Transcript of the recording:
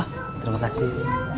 oh terima kasih